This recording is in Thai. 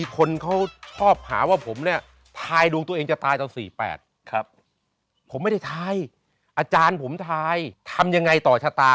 ครับผมไม่ได้ทายอาจารย์ผมทายทำยังไงต่อชาตา